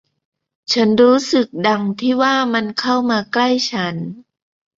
ฉันรู้สึกดังที่ว่ามันเข้ามาใกล้ฉัน